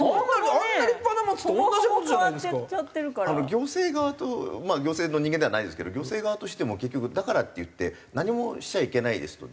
行政側とまあ行政の人間ではないですけど行政側としても結局だからっていって何もしちゃいけないですと。